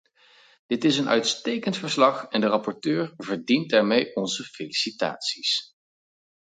Dit is een uitstekend verslag en de rapporteur verdient daarmee onze felicitaties.